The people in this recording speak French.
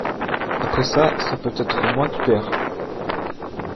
Après ça, c'est peut-être moi qui perds.